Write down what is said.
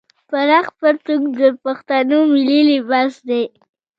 پراخ پرتوګ د پښتنو ملي لباس دی.